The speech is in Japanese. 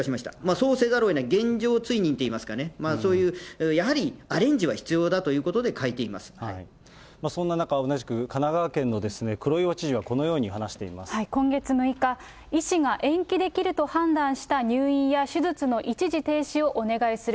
そうせざるをえない、現状追認といいますかね、そういうやはり、アレンジは必要だといそんな中、同じく、神奈川県の黒岩知事は今月６日、医師が延期できると判断した入院や手術の一時停止をお願いする。